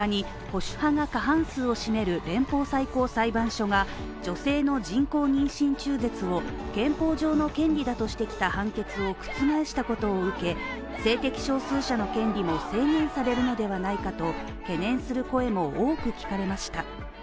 ２４日に保守派が過半数を占める連邦最高裁判所が女性の人工妊娠中絶を憲法上の権利だとしてきた判決を覆したことを受け性的少数者の権利も制限されるのではないかと懸念する声も多く聞かれました。